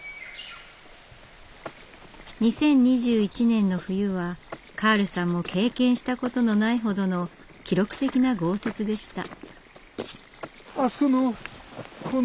２０２１年の冬はカールさんも経験したことのないほどの記録的な豪雪でした。